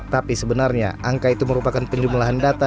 tapi sebenarnya angka itu merupakan penjumlahan data